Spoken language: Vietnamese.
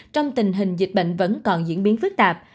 trong tình hình dịch bệnh vẫn còn diễn biến phức tạp